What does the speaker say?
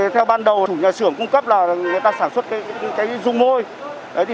theo ban đầu chủ nhà xưởng cung cấp là người ta sản xuất cái dung môi